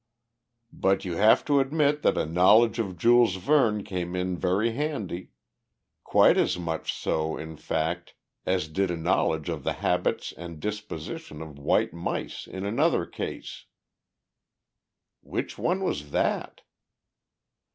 "But you have to admit that a knowledge of Jules Verne came in very handy quite as much so, in fact, as did a knowledge of the habits and disposition of white mice in another case." "Which one was that?"